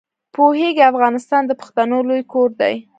پوهېږې افغانستان د پښتنو لوی کور دی.